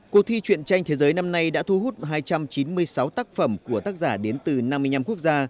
cuộc thi chuyện tranh thế giới năm nay đã thu hút hai trăm chín mươi sáu tác phẩm của tác giả đến từ năm mươi năm quốc gia